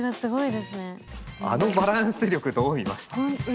あのバランス力どう見ました？